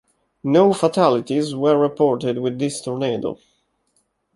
No fatalities were reported with this tornado.